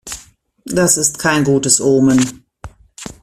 Das ist kein gutes Omen.